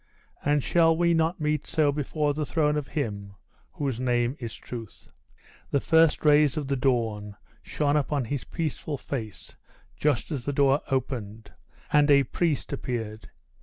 And shall we not meet so before the throne of Him whose name is Truth?" The first rays of the dawn shone upon his peaceful face just as the door opened, and a priest appeared.